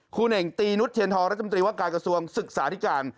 คุณเองตีนุษย์เทียนทอร์รัฐมนตรีวัตกาลกระทรวงศ์ศึกษาที่การ